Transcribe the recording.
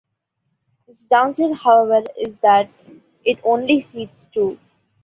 Its downside however is that it only seats two.